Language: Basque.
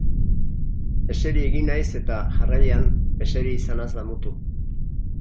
Eseri egin naiz eta, jarraian, eseri izanaz damutu.